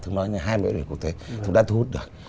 thường nói là hai mươi bãi biển quốc tế cũng đã thu hút được